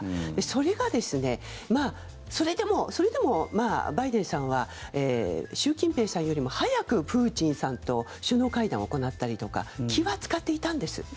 それが、それでもバイデンさんは習近平さんよりも早くプーチンさんと首脳会談を行ったりとか気は使っていたんです。